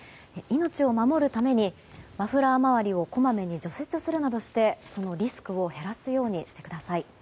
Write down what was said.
命を守るためにマフラー周りをこまめに除雪するなどしてそのリスクを減らすようにしてください。